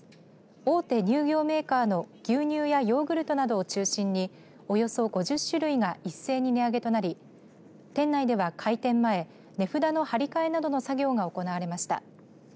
大手乳業メーカーの牛乳やヨーグルトなどを中心におよそ５０種類が一斉に値上げとなり店内では開店前、値札の貼り替えなどの作業が行われました。